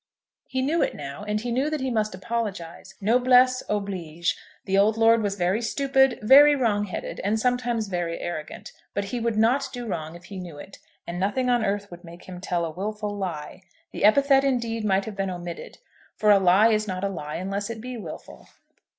He knew it now, and he knew that he must apologise. Noblesse oblige. The old lord was very stupid, very wrong headed, and sometimes very arrogant; but he would not do a wrong if he knew it, and nothing on earth would make him tell a wilful lie. The epithet indeed might have been omitted; for a lie is not a lie unless it be wilful.